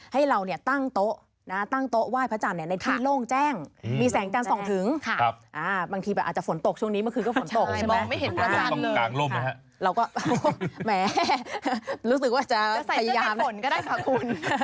แหมรู้สึกว่าจะพยายามจะใส่เสื้อแบบฝนก็ได้ขอบคุณ